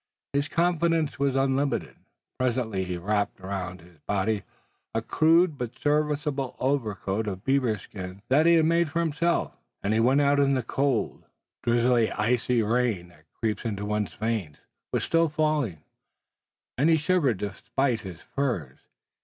His confidence was unlimited. Presently he wrapped around his body a rude but serviceable overcoat of beaver skin that he had made for himself, and went out. The cold, drizzling icy rain that creeps into one's veins was still falling, and he shivered despite his furs.